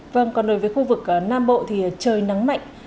vâng còn đối với khu vực nam bộ thì trời nắng mạnh